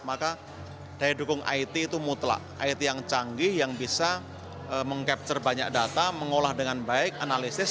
maka daya dukung it itu mutlak it yang canggih yang bisa meng capture banyak data mengolah dengan baik analisis